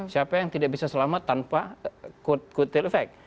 siapa yang tidak bisa selamat tanpa co tail effect